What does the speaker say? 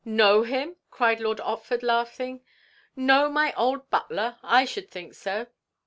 "Know him!" cried Lord Otford, laughing, "Know my old butler! I should think so!"